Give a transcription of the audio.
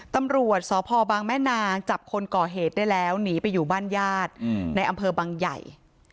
ตำรวจสพบางแม่นางจับคนก่อเหตุได้แล้วหนีไปอยู่บ้านญาติในอำเภอบางใหญ่